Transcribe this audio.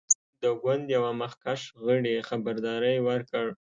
د ګوند یوه مخکښ غړي خبرداری ورکړ.